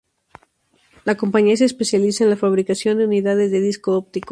La compañía se especializa en la fabricación de unidades de disco óptico.